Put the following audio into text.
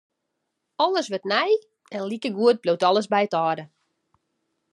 Alles wurdt nij en likegoed bliuwt alles by it âlde.